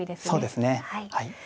そうですね。